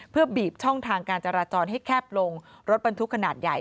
เพื่อบีบช่องทางการจราจรให้แคบลงรถบรรทุกขนาดใหญ่